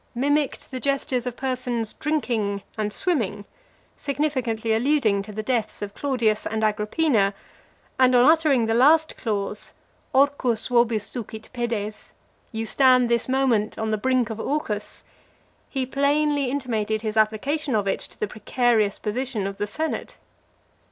mimicked the gestures of persons drinking and swimming, significantly alluding to the deaths of Claudius and Agrippina: and on uttering the last clause, Orcus vobis ducit pedes; You stand this moment on the brink of Orcus; he plainly intimated his application of it to the precarious position of the senate.